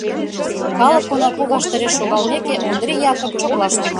Калык онапу ваштареш шогалмеке, Ондри Япык чоклаш тӱҥале.